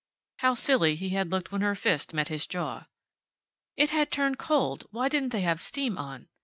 How silly he had looked when her fist met his jaw.... It had turned cold; why didn't they have steam on?